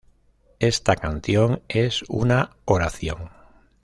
Esta canción es una oración.